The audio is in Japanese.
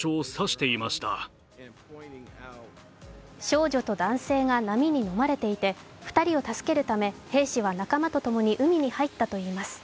少女と男性が波にのまれていて、２人を助けるため兵士は仲間とともに海に入ったといいます。